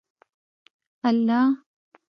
الله